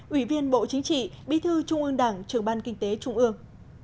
ủy viên bộ chính trị bí thư trung ương đảng trường ban kinh tế trung ương